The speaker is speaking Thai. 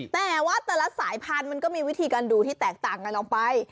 แต่ว่าแต่ละสายพันธุ์มันก็มีวิธีการดูที่แตกต่างกันออกไป